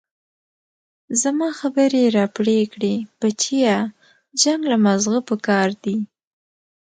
زما خبرې يې راپرې كړې بچيه جنګ له مازغه پكار دي.